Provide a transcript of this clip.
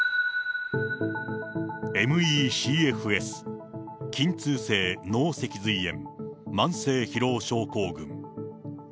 ＭＥ／ＣＦＳ、筋痛性脳脊髄炎、慢性疲労症候群。